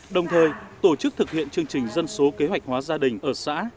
đồng thời tổ chức thực hiện chương trình dân số kế hoạch hóa gia đình ở xã